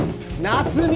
夏美！